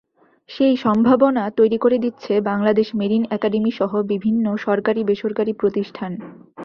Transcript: সেই সম্ভাবনা তৈরি করে দিচ্ছে বাংলাদেশ মেরিন একাডেমিসহ বিভিন্ন সরকারি-বেসরকারি প্রতিষ্ঠান।